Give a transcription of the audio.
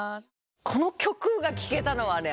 この曲が聴けたのはね